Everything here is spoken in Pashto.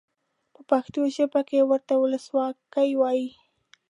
په پښتو ژبه کې ورته ولسواکي وایي.